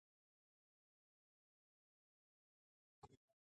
Its name means 'the mound in the dark grove'.